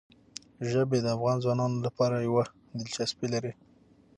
ژبې د افغان ځوانانو لپاره یوه دلچسپي لري.